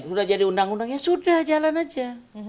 sudah jadi undang undangnya sudah jalan aja